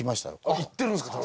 あっ行ってるんですか。